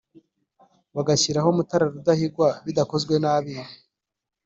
bagashyiraho Mutara Rudahigwa bidakozwe n’abiru